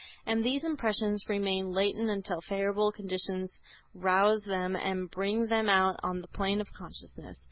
And these impressions remain latent until favorable conditions rouse them and bring them out on the plane of consciousness.